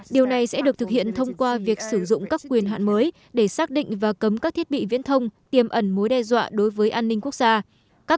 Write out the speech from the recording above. điều này sẽ được thực hiện thông qua việc sử dụng các quyền hạn mới để xác định và cấm các thiết bị viễn thông tiềm ẩn mối đe dọa đối với an ninh quốc gia